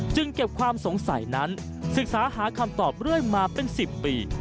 เก็บความสงสัยนั้นศึกษาหาคำตอบเรื่อยมาเป็น๑๐ปี